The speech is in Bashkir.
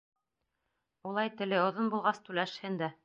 Улай теле оҙон булғас, түләшһен дә.